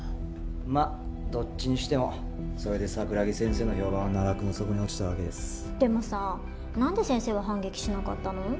まっどっちにしてもそれで桜木先生の評判は奈落の底に落ちたわけですでもさ何で先生は反撃しなかったの？